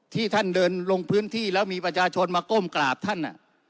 ที่ท่านเดินลงพื้นที่แล้วมีประชาชนมาก้มกราบท่าน